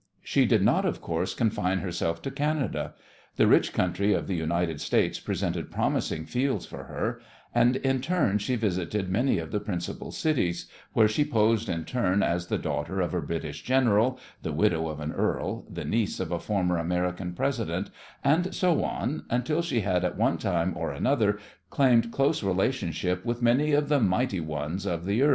She did not, of course, confine herself to Canada. The rich country of the United States presented a promising field to her, and in turn she visited many of the principal cities, where she posed in turn as the daughter of a British general, the widow of an earl, the niece of a former American president, and so on until she had at one time or another claimed close relationship with many of the mighty ones of the earth.